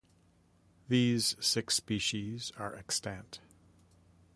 These six species are extant.